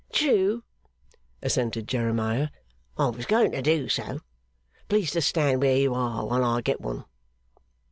'True,' assented Jeremiah. 'I was going to do so. Please to stand where you are while I get one.